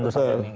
tuh saat ini